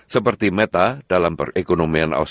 seperti meta dalam perusahaan ini